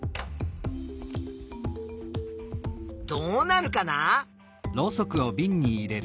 どうなるかな？